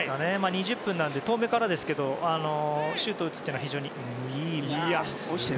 ２０分なので遠めからですがシュートを打つのは非常にいいです。